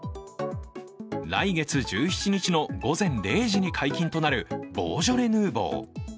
来月１７日の午前０時に解禁となるボージョレ・ヌーボー。